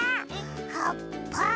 はっぱ！